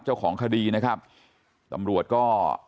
เจ้าของคดีนะครับตำรวจก็